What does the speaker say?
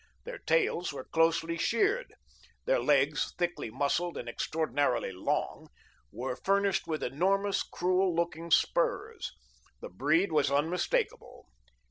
Their tails were closely sheared. Their legs, thickly muscled, and extraordinarily long, were furnished with enormous cruel looking spurs. The breed was unmistakable.